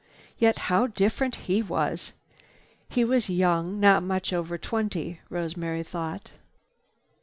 Yet, how different he was! He was young, not much over twenty, Rosemary thought.